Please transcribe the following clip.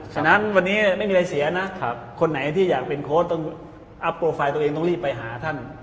ฉะนั้นวันนี้ไม่มีอะไรเสียนะคนไหนที่อยากเป็นโค้ชต้องอัพโปรไฟล์ตัวเองต้องรีบไปหาท่าน